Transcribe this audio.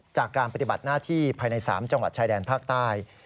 จากการปฏิบัติหน้าที่ภายใน๓จังหวัดชายแดนภาคใต้